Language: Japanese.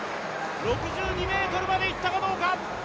６２ｍまでいったかどうか。